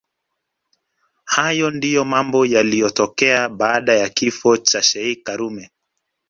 Hayo ndio mambo yaliyotokea baada ya kifo cha sheikh karume